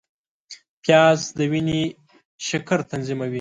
پیاز د وینې شکر تنظیموي